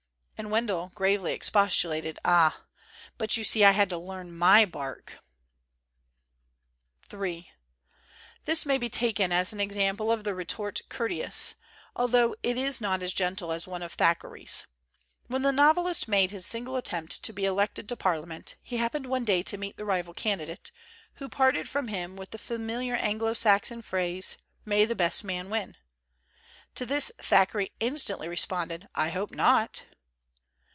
And Wendell gravely expostulated, "Ah, but, you see, I had to learn my bark." THE GENTLE ART OF REPARTEE III THIS may be taken as an example of the re tort courteous, altho it is not as gentle as one of Thackeray's. When the novelist made his single attempt to be elected to Parliament, he happened one day to meet the rival candidate, who parted from him with the familiar Anglo Saxon phrase, "May the best man win!" To this Thackeray instantly responded, "I hope not!"